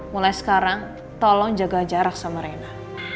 mulai sekarang tolong jaga jarak sama rena